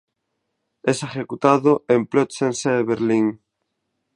Es ejecutado en Plötzensee-Berlin.